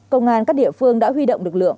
công an các địa phương đã huy động lực lượng